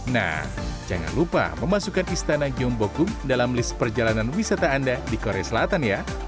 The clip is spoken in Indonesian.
nah jangan lupa memasukkan istana gyeongbokung dalam list perjalanan wisata anda di korea selatan ya